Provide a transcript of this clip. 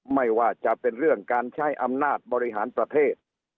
ไม่ว่าจะเป็นเรื่องการใช้อำนาจบริหารประเทศ